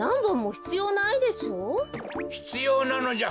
ひつようなのじゃ。